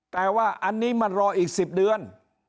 แต่ว่าอันนี้มันรออีก๑๐เดือน